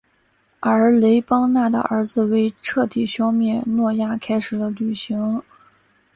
而雷班纳的儿子为彻底消灭诺亚开始了旅行。